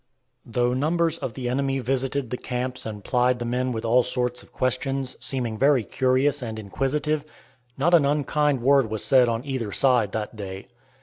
Though numbers of the enemy visited the camps and plied the men with all sorts of questions, seeming very curious and inquisitive, not an unkind word was said on either side that day.